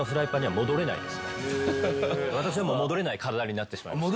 私はもう戻れない体になってしまいました。